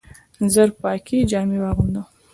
ژر پاکي جامې واغونده !